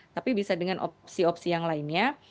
tapi bisa dengan opsi opsi yang lainnya